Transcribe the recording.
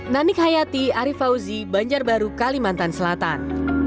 nanik hayati arief fauzi banjarbaru kalimantan selatan